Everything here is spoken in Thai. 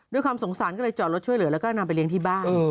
ด้วยความสงสารก็เลยจอดรถช่วยเหลือแล้วก็นำไปเลี้ยงที่บ้าน